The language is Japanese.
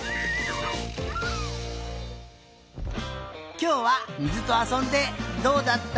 きょうはみずとあそんでどうだった？